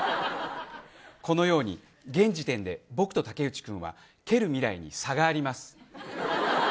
このように、現時点で僕と武内君は蹴る未来に差があります。